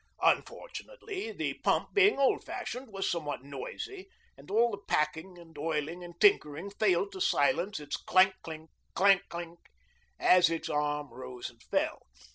Unfortunately the pump, being old fashioned, was somewhat noisy, and all the packing and oiling and tinkering failed to silence its clank clink, clank clink, as its arm rose and fell.